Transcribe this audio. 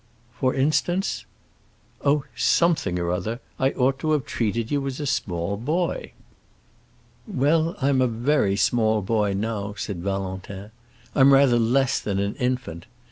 "For instance?" "Oh, something or other. I ought to have treated you as a small boy." "Well, I'm a very small boy, now," said Valentin. "I'm rather less than an infant.